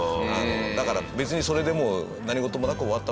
だから別にそれでもう何事もなく終わったわけではない。